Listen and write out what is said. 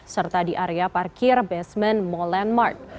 serta di area parkir basement mall landmark